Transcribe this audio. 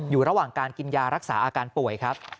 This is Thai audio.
อยู่ระหว่างการกินยารักษาอาการป่วยครับ